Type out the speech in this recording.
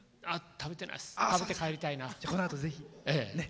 食べて帰りたいな。